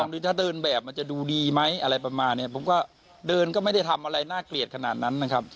หรือถ้าเดินแบบมันจะดูดีไหมอะไรประมาณเนี่ยผมก็เดินก็ไม่ได้ทำอะไรน่าเกลียดขนาดนั้นนะครับ